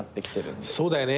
そうだよね。